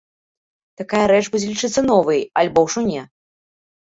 Такая рэч будзе лічыцца новай, альбо ўжо не?